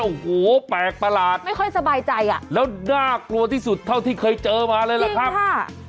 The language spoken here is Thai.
โอ้โหแปลกประหลาดแล้วน่ากลัวที่สุดเท่าที่เคยเจอมาเลยล่ะครับจริงค่ะ